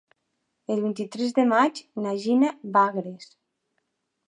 El vint-i-tres de maig na Gina va a Agres.